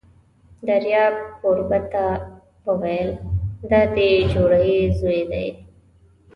دریاب کوربه ته وویل: دا دې جوړې زوی دی!